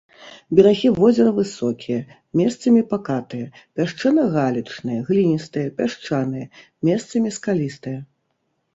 Берагі возера высокія, месцамі пакатыя, пясчана-галечныя, гліністыя, пясчаныя, месцамі скалістыя.